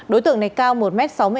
đối tượng này cao một m sáu mươi hai